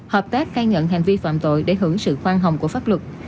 hợp tác khai nhận hành vi phạm tội để hưởng sự khoan hồng của pháp luật